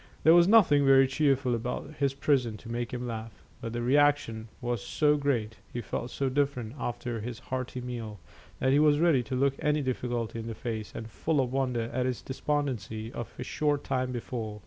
There was nothing very cheerful about his prison to make him laugh, but the reaction was so great he felt so different after his hearty meal that he was ready to look any difficulty in the face, and full of wonder at his despondency of a short time before.